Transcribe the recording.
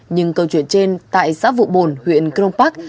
nhưng câu chuyện trên tại xã vụ bồn huyện crong park